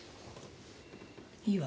いいわ。